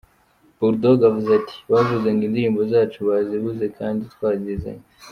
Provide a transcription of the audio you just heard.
Bull Dogg avuze ati “bavuze ngo indirimbo zacu bazibuze kandi twazizanye.